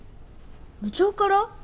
部長から？